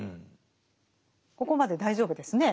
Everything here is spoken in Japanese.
ここまで大丈夫ですね。